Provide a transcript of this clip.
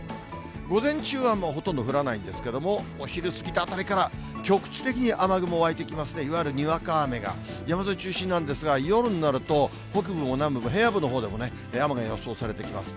午前中はもうほとんど降らないんですけども、お昼過ぎたあたりから、局地的に雨雲、湧いてきまして、いわゆるにわか雨が、山沿い中心なんですが、夜になると、北部も南部も平野部のほうでも雨が予想されてきます。